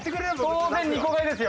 当然２個買いですよ。